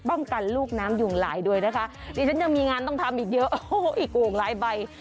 ป้องกันลูกน้ำยุงหลายด้วยนะคะดิฉันยังมีงานต้องทำอีกเยอะโอ้โหอีกโก่งหลายใบ